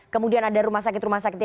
kemudian ada rumah sakit rumah sakit